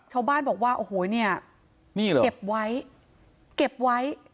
ชาวบ้านบอกว่าโอ้โหเนี่ยนี่เหรอเก็บไว้เก็บไว้